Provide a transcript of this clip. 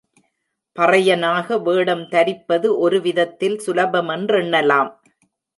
பறையனாக வேடம் தரிப்பது ஒரு விதத்தில் சுலபமென்றெண்ணலாம்.